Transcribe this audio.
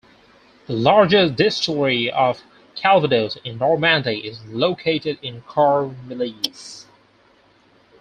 The largest distillery of Calvados in Normandy is located in Cormeilles.